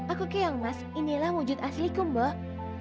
aku keong mas inilah wujud asliku mbah